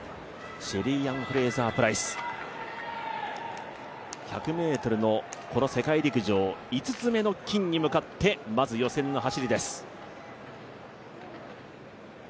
シェリーアン・フレイザー・プライス、１００ｍの世界陸上５つ目の金に向かってまず予選の走りです。